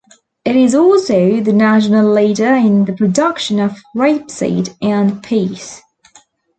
It is also the national leader in the production of rapeseed and peas.